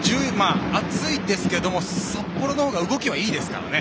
暑いですけど札幌のほうが動きはいいですからね。